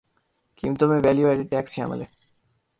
قیمتوں میں value added tax شامل ہے